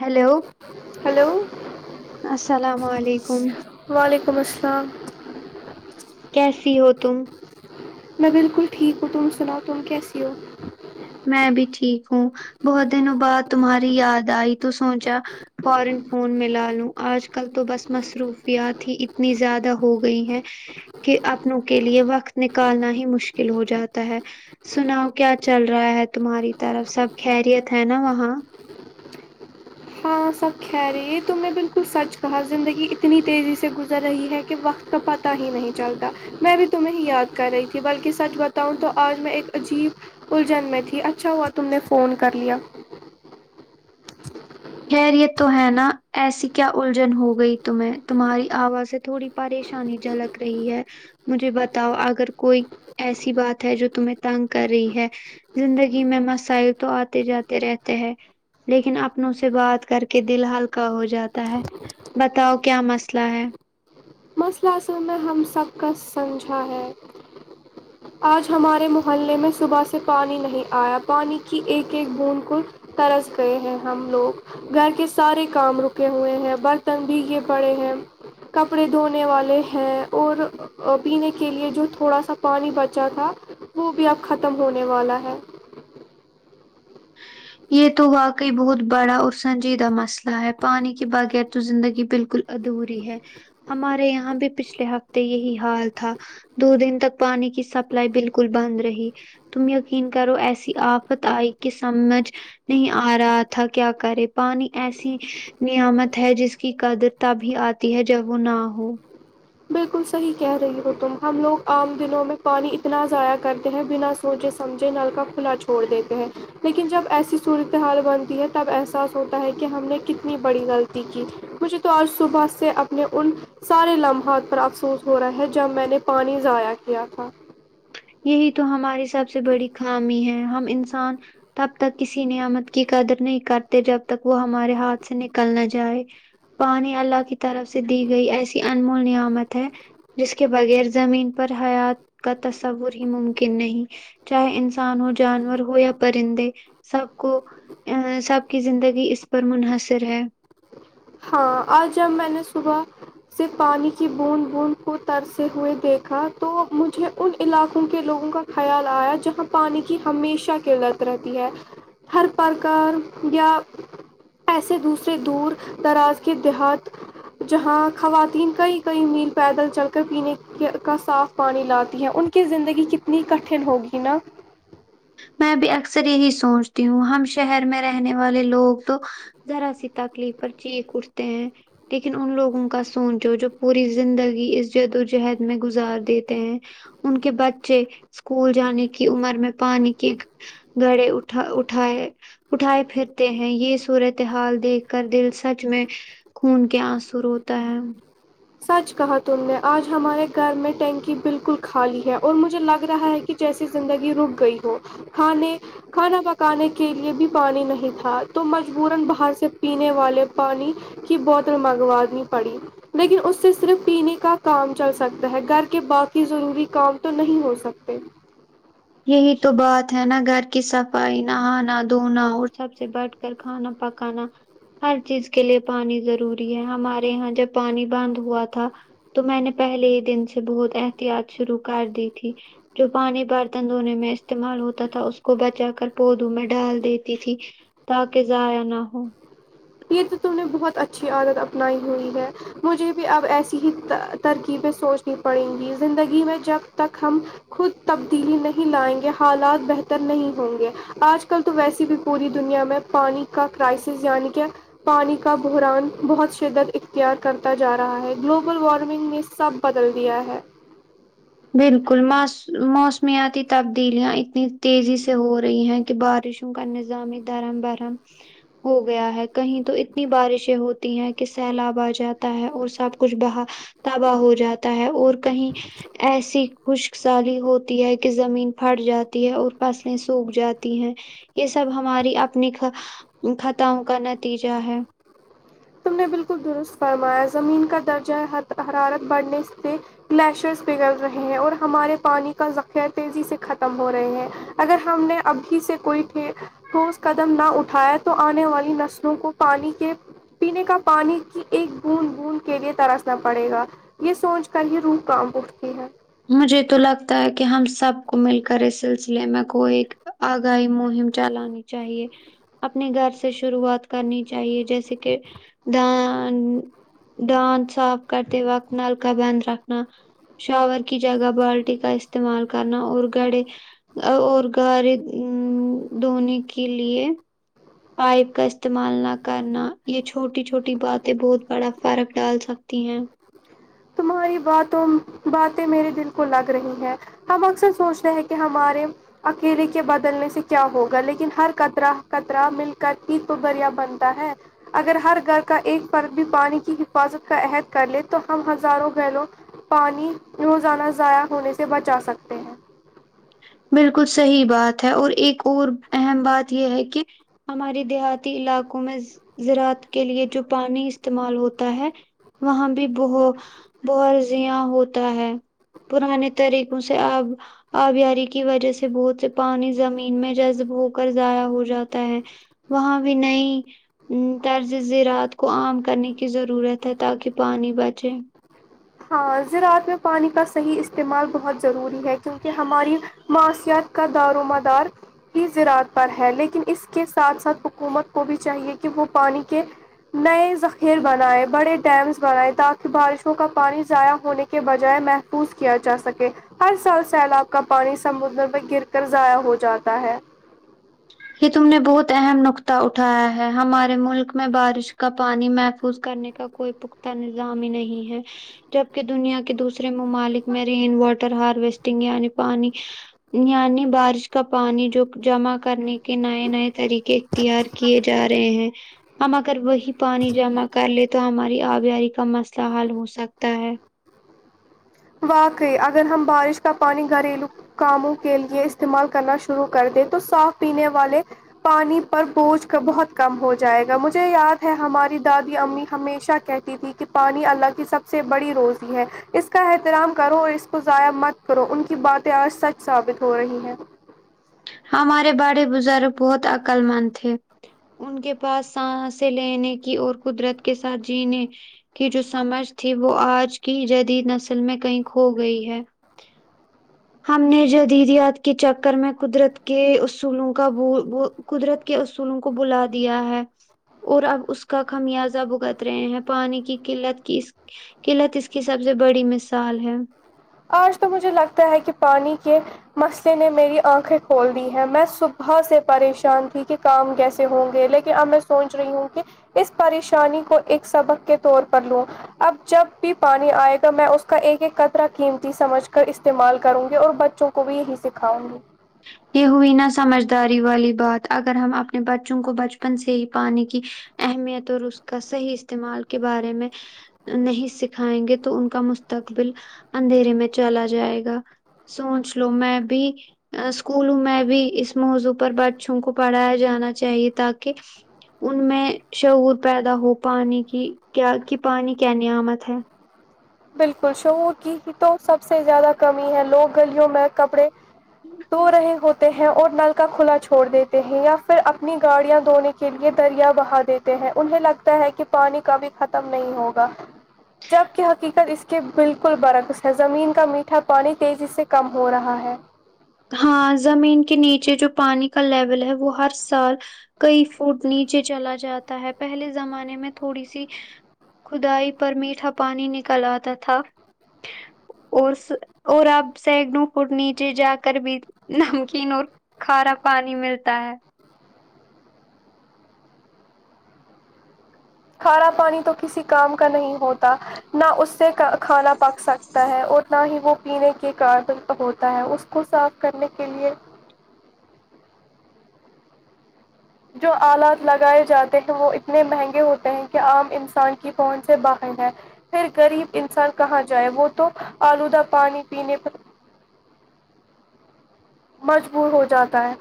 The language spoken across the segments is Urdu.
ہیلو ہیلو السلام علیکم وعلیکم السلام کیسی ہو تم میں بالکل ٹھیک گو تم سناو تم کیسی ہو میں بھی ٹھیک ہوں بہت دنوں بعد تمہاری یاد آئی تو سوچا فورن فون میں لا لوں آج کل تو بس مصروفیات ہی اتنی زیادہ ہو گئی ہیں کہ اپنوں کے لیے وقت نکالنا ہی مشکل ہو جاتا ہے سناؤ کیا چل رہا رہا ہے تمہاری طرف سب خریت ہے نا وہاں ہاں سب کہہ رہی ہے تو میں بالکل سچ کہا زندگی اتنی تیزی سے گزر رہی ہے کہ وقت تو پتاہ ہی نہیں چلتا میں بھی تمہیں ہی یاد کر رہی تھی بلکہ سچ بتاؤں تو آج میں ایک عجیب الجھن میں تھی اچھا ہوا تم نے فون کر لیا خیر یہ تو ہے نا ایسی کیا الجھن ہو گئی تمیں تمہاری آوازیں تھوڑی پریشانی جھلک رہی ہے مجھے بتاؤ اگر کوئی ایسی بات ہے جو تمہیں تنگ کر رہی ہے زندگی میں مسائل تو آتے جاتے رہتے ہیں لیکن اپن سے سے بات کر کے دل ہلکا ہو جاتا ہے بتاؤ کیا مسئلہ ہے مسئلہ میں ہم سب کا سمجھا ہے آج ہمارے محلے میں صبح سے پانی نہیں آیا پانی کی ایک ایک بون کو ترس گئے ہیں ہم لوگ گھر کے سارے کام رکے ہوئے ہیں برتن بھیے پڑے ہیں کپڑے دھونے والے ہیں اور پینے کے لیے جو تھوڑا سا پانی بچا تھا وہ بھی اب ختم ہونے والا ہے یہ تو واقعی بہت بڑا اور سنجیدہ مسئلہ ہے پانی کے بغیر تو زندگی بالکل ادھوری ہے ہمارے یہاں بھی پچھلے ہفتے یہی حال تھا دو دن تک پانی کی سپلائی بالکل بند رہی تم یقین کرو ایسی آفت آئی کہ سمجھ نہیں آ رہا تھا کیا کرے پانی ایسی نعمت ہے جس کی قدرتا بھی آتی ہے جب وہ نہ ہو بالکل صحی کہہ رہی ہو تم ہم لوگ عام دنوں میں پانی انا اتنا ضائع کرتے ہیں بنا سوچے سمجھے نل کا کھلا چھوڑ دیتے ہیں لیکن جب ایسی صورتحال بنتی ہے تب احساس ہوتا ہے کہ ہم نے کتنی بڑی غلطی کی کچھ تو اور صبح سے اپنے ان سارے لمحات افسوس ہو رہا ہے جب میں نے پانی ضائع کیا تھا یہی تو ہماری سب سے بڑی خامی ہے ہم انسان تب تک کسی نعمت کی قدر نہیں کرتے جب تک وہ ہمارے ہاتھ سے نکل نہ جائے پانی اللہ کی طرف سے دی گئی ایسی انمول نعمت ہے جس کے بغیر زمین پر حیات کا تصور ہی ممکن نہیں چاہے انسان ہو جانور ہو یا پرندے سب کو ا سب کی زندگی اس پر منحصر ہے ہاں آج جب میں نے صبح سے پانی کی بوند بوند کو ترتے ہوئے دیکھا تو مجھے ان علاقوں کے لوگوں کا خیال آیا جہاں پانی کی ہمیشہ قلت رہتی ہے ہر پرکار یا ایسے دوسرے دور دراز کے دیہات جہاں خواتین کئی کئی میل پیدل چل کر پینے کا صاف پانی لاتی ہے ان کی زندگی کتنی کٹن ہوگی نا میں بھی اکثر یہی سوچتی ہوں ہم شہر میں رہنے والے لوگ تو ذرا سی تکلیف پر چینیک اٹھتے ہیں لیکن ان لوگوں کا سوچو جو پوری زندگی اس جد وجہد میں گزار دیتے ہیں ان کے بچے اسکول جانے کی عمر میں پانی کہ گڑے اٹھا اٹھائے اٹھائے پھرتے ہیں یہ صورتحال دیکھ کر دل سچ میں خون کے انسو روتا ہے سچ کہا تم نے آج ہمارے گھر میں ٹینکی بالکل خالی ہے اور مجھے لگ رہا ہے کہ جیسی زندگی رک گئی ہو کھنے کھانا پکانے کے لیے بھی پانی نہیں تھا تو مجبورا باہر سے پینے والے پانی کی بوتل منگوانی پڑی لیکن اس اس سے صرف پینے کا کام چل سکتا ہے گھر کے باقی ضروری کام تو نہیں ہو سکتے یہی تو بات ہے نا گھر کی صفائی نہانا دھونا اور سب سے بٹ کر کھانا پکانا ہر چیز کے لیے پانی ضروری ہے ہمارے یہاں جب پانی بند ہوا تھا تو میں نے پہلے ہی دن سے بہت احتیاط شروع کر دی تھی جو پانی بھر تندونے میں استعمال ہوتا تھا اس کو بچا کر پودوں میں ڈال دیتی تھی تاکہ زیہ یا نہ ہو یہ تو تمہ نے بہت اچھی عادت اپنائی ہوئی ہے مجھے بھی اب ایسی ہی ترکیبیں سوچنی پڑیں گی زندگی میں جب تک ہم خود تبدیلی نہیں لائیں گے حالات بہتر نہیں ہوں گے آج کل تو ویسی بھی پوری دنیا میں پانی کا کرائسس یعنی کہ پانی کا بحران بہت شدت اختیار کرتا جا رہا ہے گلوبل وارمنگ میں سب بدل دیا ہے بالکل م موسمیاتی تبدیلیاں اتنی تیزی سے ہو رہی ہیں کہ بارش گر نظامی دھرم برم ہو گیا ہے کہیں تو اتنی بارشیں ہوتی ہیں کہ سیلاب آ جاتا ہے اور سب کچھ با تباہ ہو جاتا ہے اور کہیں ایسی خشک سالی ہوتی ہے کہ زمین پھٹ جاتی ہے اور فصلیں سوکھ جاتی ہیں یہ سب ہماری اپنی خطؤں کا نتیجہ ہے کو درست فرمایا زمین کا درجہ حرارت بڑھنے سے گلیشرز بگڑ رہے ہیں اور ہمارے پانی کا ذخیر تیزی سے ختم ہو رہے ہیں اگر ہم نے ابھی سے کوئی تھے ٹھوس قدم نہ اٹھائے تو آنے والی نسلوں کو پانی کے پینے کا پانی کی ایک بوند بوند کے لیے ترسنا پڑے گا یہ سوچ کر یہ روح کام اٹھتی ہے مجھے تو لگتا ہے کہ ہم سب کو مل کر اس سلسلے میں کو ایک آگاہی مہم چلانی چاہیے اپنے گھر سے شروعات کرنی چاہیے جیسے کہ دان دانت صاف کرتے وقت نلکا بند رکھنا شاور کی جگہ بالٹی کا استعمال کرنا اور گڑے اور گارے ا دھونے کے لیے پائپ کا استعمال نہ کرنا یہ چھوٹی چھوٹی باتیں بہت بڑا فرق ڈال سکتی ہیں تمہاری باتوں باتیں میرے دل کو لگ رہی ہے ہم اکثر سوچ رہے ہیں کہ ہمارے اکیلے کے بدلنے سے کیا ہوگا لیکن ہر کترا کطرا مل کر ہی تو بریا بنتا ہے اگر ہر گھر کا ایک فرد بھی پانی کی حفاظت کا عہد کر لے تو ہم ہم ہزاروں گلوں پانی روزانہ ضائع ہونے سے بچا سکتے ہیں بالکل صحیح بات ہے اور ایک اور اہم بات یہ ہے کہ ہماراری دیہاتی علاقوں میں زراعت کے لیے جو پانی استعمال ہوتا ہے وہاں بھی بت بہرزیاں ہوتا ہے پرانے طریقوں سے آب آب یاری کے کی وجہ سے بہت سے پانی زمین میں جذب ہو کر ضائع ہو جاتا ہے وہاں بھی نہیں طرز ذرعت کو عام کرنے کی ضرورت ہے تاکہ پانی بچے ہاں زراعت میں پانی کا صحیح استعمال بہت ضروری ہے کیونکہ ہماری معاشیات کا دارومدار ہی زراعت پر ہے لیکن اس کے ساتھ ساتھ حکومت کو بھی چاہیے کہ وہ پانی کے نئے ذخیر بنائے بڑے ڈیمس بنائے تاکہ بارشوں کا پانی ضائع ہونے کے بجائے محفوظ کیا جا سکے ہر سال سیلاب کا پانی سمندر میں گر کر ضائع ہو جاتا ہے یہ تم نے بہت اہم نکطہ اٹھایا ہے ہمارے ملک میں بارش کا پانی محفوظ کرنے کا کوئی پختہ نظام ہی نہیں ہے جبک دنیا کے دوسرے ممالک میں رین واٹر ہارویسٹنگ یعنی پانی یعنی بارش کا پانی جو جمع کرنے کہ نئے نئے طریقے اختیار کیے جا رہے ہیں ہم اگر وہی پانی جمع کر لے تو ہماری آبیاری کا مسئلہ حل ہو سکتا ہے واقعی اگر ہم بارش کا پانی گھریلو کاموں کے لیے استعمال کرنا شروع کر دے تو صاف پینے والے پانی پر بوجھ کا بہت کم ہو جائے گا مجھے یاد ہے ہماری دادی امی ہمیشہ کہ تی تھی کہ پانی اللہ کی سب سے بڑی روزی ہے اس کا احترام کرو اور اس کو ضائع مت کرو ان کی باتیں آج سچ ثابت ہو رہی ہیں ہمارے بڑے بزرگ بہت عقلمند تھے ان کے پاس سانسیں لینے کی اور قدرت کے ساتھ جینے کی جو سمجھ تھی وہ آج کی جدید نسل میں کہیں کھو گئی ہے ہم نے جدیدیات کے چکر میں قدرت کے اصولوں کا ب قدرت کے اصولوں کو بھولا دیا ہے اور اب اس کا خمیازہ بھوگت رہے ہیں پانی کی قلت کی قلت اس کی سب سے بڑی مثال ہے آج تو مجھے لگتا ہے کہ پانی کے مسلہ نے میری آنکھیں کھول دی ہیں میں صبح سے پریشان تھی کہ کام کیسے ہوں گے لیکن اب میں سوچ رہی ہوں کہ اس پریشانی کو ایک سبق کے طور پر لوں اب جب بھی پانی آئے گا میں اس کا ایک ایک قطرہ قیمتی سمجھ کر استعمال کروں گی اور بچوں کو بھی یہی سکھاؤں گی یہ ہوئی نا سمجھداری والی بات اگر ہم اپنے بچوں کو بچپن سے ہی پانی کی اہمیت اور اس کا صحیح استعمال کے بارے میں نہیں سکھائیں گے تو ان کا مستقبل اندھیرے میں چلا جائے گا سوچ لو میں بھی اسکولوں میں بھی اس موضوع پر بچوں کو پڑھایا جانا چاہیے تاکہ ان میں شعور پیدا ہو پانی کی کیا کہ پانی کیا نعمت ہے بالکل شعور کی ہی تو سب سے زیادہ کمی ہے لوگ گلیوں میں کپڑے دھو رہے ہوت ے ہیں اور نل کا کھلا چھوڑ دیتے ہیں یا پھر اپنی گاڑیاں دھونے کے لیے دریا بہا دی تے ہیں انہیں لگتا ہے کہ پانی کبھی ختم نہیں ہوگا جب کہ حقیقت اس کے بالکل برکس ہے زمین کا میٹھا پانی تیزی سے کم ہو رہا ہے ہاں زمین کے نیچے جو پانی کا لیول ہے وہ ہر سال کئی فوٹ نیچے چلا جاتا ہے پہلے زمانے میں تھوڑی سی کھدائی پر میٹھا پانی نکل آتا تھا اور س اور آپ سائکڑوں فٹ نیچے جا کر بھی نمکین اور کھارا پانی ملتا ہے کھارا پانی تو کسی کام کا نہیں ہوتا نہ اس سے کا کھانا پک سکتا ہے اور نہ ہی وہ پینے کے کارڈن ہوتا ہے اس کو صاف کرنے کے لیے جو آلات لگائے جاتے ہیں وہ اتنے مہنگے ہوتے ہیں کہ عام انسان کی پہنچ سے باہر ہے پھر غریب انسان کہاں جائے وہ تو آلودہ پانی پینے پر مجبور ہو جاتا ہے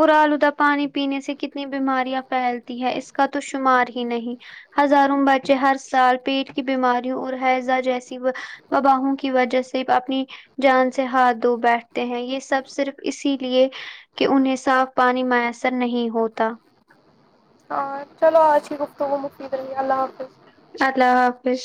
اور آلودہ پانی پینے سے کتنی بیماریاں پھیلتی ہے اس کا تو شمار ہی نہیں ہزاروں بچے ہر سال پیٹ کی بیماریوں اور حیضہ جیسی وباہوں کی وجہ سے اپنی جان سے ہاتھ دھو بیٹھتے ہیں یہ سب صرف اسی لیے کہ انہیں صاف پانی میسر نہیں ہوتا ہاں چلو آج کی گفتگو مفید رہی اللہ حافظ اللہ حافظ